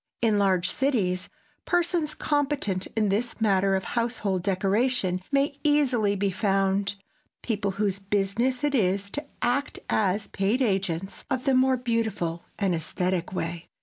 In large cities persons competent in this matter of household decoration may easily be found, people whose business it is to act as paid agents of the more beautiful and esthetic way.